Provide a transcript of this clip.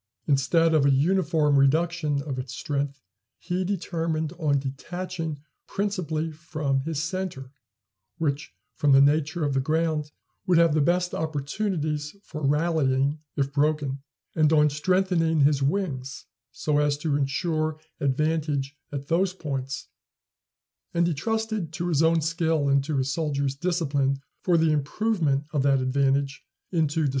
Instead of a uniform reduction of its strength, he determined on detaching principally from his centre, which, from the nature of the ground, would have the best opportunities for rallying, if broken; and on strengthening his wings so as to insure advantage at those points; and he trusted to his own skill and to his soldiers' discipline for the improvement of that advantage into decisive victory.